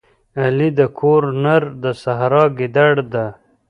علي د کور نر د سحرا ګیدړه ده.